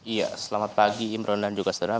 iya selamat pagi imron dan juga saudara